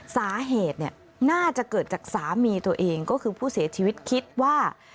สาเหตุน่าจะเกิดจากสามีตัวเองก็คือผู้เสียชีวิตคิดว่า